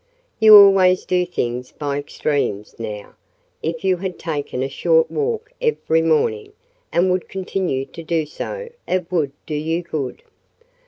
"You always do things by extremes: now, if you had taken a short walk every morning, and would continue to do so, it would do you good."